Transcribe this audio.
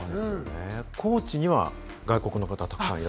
高知には外国の方が沢山いら